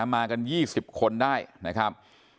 มากัน๒๐คนได้นะครับ